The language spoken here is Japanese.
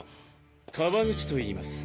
川口と言います。